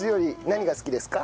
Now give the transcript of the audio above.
何が好きですか？